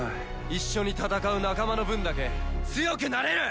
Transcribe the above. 一緒に戦う仲間の分だけ強くなれる！